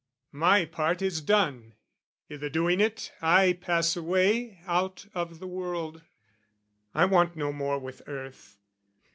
My part Is done; i' the doing it, I pass away Out of the world. I want no more with earth.